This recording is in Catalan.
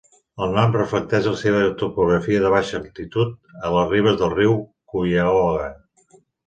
El nom reflecteix la seva topografia de baixa altitud a les ribes del riu Cuyahoga.